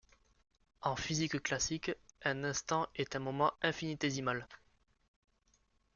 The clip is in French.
En physique classique, un instant est un moment infinitésimal.